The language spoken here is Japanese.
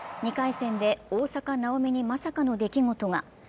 ２回戦で大坂なおみにまさかの出来事が。